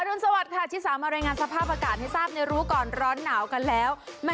อนุรสวัสดิ์ค่ะชิคกี้พายมารายงานสภาพอากาศให้ทราบรู้ก่อนร้อนหน่าวกันแล้ว